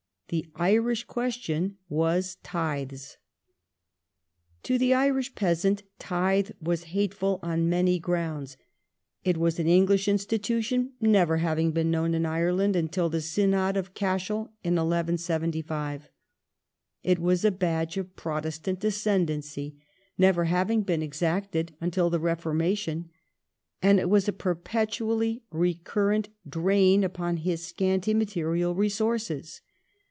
"The Irish question" was "Tithes". The Tithe To the Irish peasant " Tithe " was hateful on many grounds. question j^ ^^g g^^ English institution, never having been known in Ireland until the Synod of Cashel (1175) ; it was a badge of Protestant ascendancy, never having been exacted until the Reformation ; and it was a perpetually recurrent drain upon his scanty material resources.